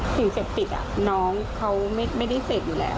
ถึงเสร็จติดน้องเขาไม่ได้เสร็จอยู่แล้ว